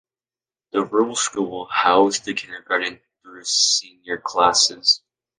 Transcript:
The rural school housed the kindergarten through senior classes.